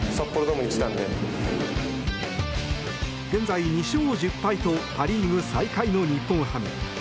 現在、２勝１０敗とパ・リーグ最下位の日本ハム。